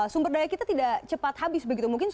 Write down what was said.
sumber daya kita tidak cepat habis begitu mungkin